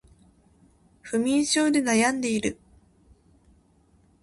不眠症で悩んでいる